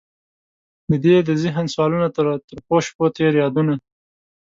ددې د ذهن سوالونه، د ترخوشپوتیر یادونه